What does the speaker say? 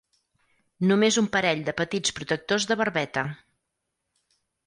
Només un parell de petits protectors de barbeta.